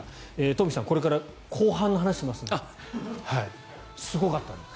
トンフィさんこれから後半の話をしますのですごかったんです。